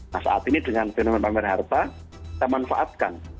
nah saat ini dengan fenomena pamer harta kita manfaatkan